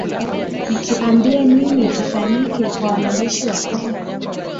utuambie nini kifanyike kwa wanajeshi wa congo